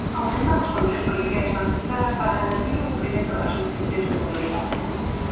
Aumentan os controis policiais nas estradas para garantir o cumprimento das restricións de mobilidade.